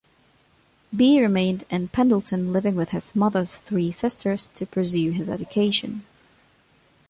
Bee remained in Pendleton living with his mother's three sisters to pursue his education.